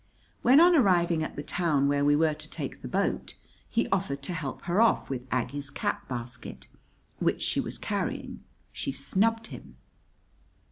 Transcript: When, on arriving at the town where we were to take the boat, he offered to help her off with Aggie's cat basket, which she was carrying, she snubbed him.